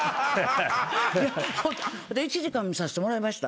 で１時間見させてもらいました。